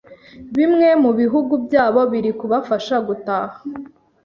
bimwe mu bihugu byabo biri kubafasha gutaha